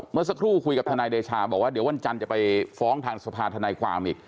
เมื่อสักครู่คุยกับทนายเดชาบอกว่าเดี๋ยววันจันทร์จะไปฟ้องทางสภาธนายความอีก